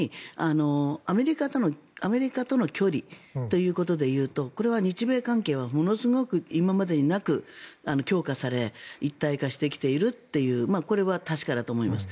と、同時にアメリカとの距離ということでいうとこれは日米関係はものすごく今までになく強化され一体化してきているというこれは確かだと思います。